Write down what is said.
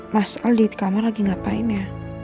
mas al di kamar lagi ngapain ya